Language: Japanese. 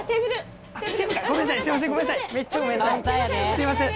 すいません。